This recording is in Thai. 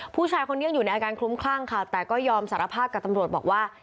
ผู้ชายคนนี้ยังอยู่ในอาการคลุ้มคลั่งค่ะแต่ก็ยอมสารภาพกับตำรวจบอกว่า